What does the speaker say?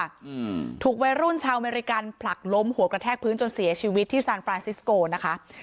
อืมถูกวัยรุ่นชาวอเมริกันผลักล้มหัวกระแทกพื้นจนเสียชีวิตที่ซานฟรานซิสโกนะคะ